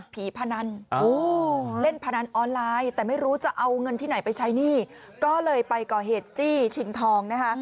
พนันเล่นพนันออนไลน์แต่ไม่รู้จะเอาเงินที่ไหนไปใช้หนี้ก็เลยไปก่อเหตุจี้ชิงทองนะคะ